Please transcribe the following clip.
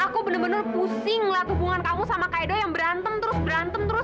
aku bener bener pusinglah hubungan kamu sama kak edo yang berantem terus berantem terus